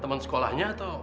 teman sekolahnya atau